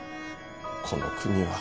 この国は。